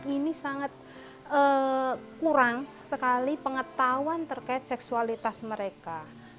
ini sangat kurang sekali pengetahuan terkait seksualitas mereka